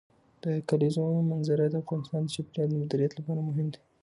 د کلیزو منظره د افغانستان د چاپیریال د مدیریت لپاره مهم دي.